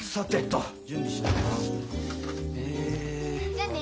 じゃあね。